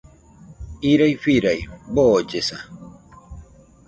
Irai firai, boollesa